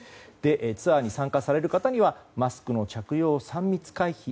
ツアーに参加される方にはマスクの着用、３密回避